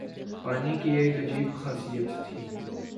پانی کی ایک عجیب خاصیت تھی